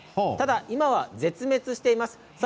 今は絶滅しています。